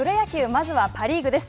まずはパ・リーグです。